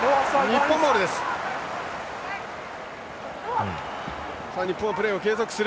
日本ボールです。